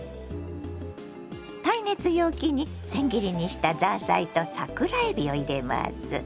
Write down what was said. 耐熱容器にせん切りにしたザーサイと桜えびを入れます。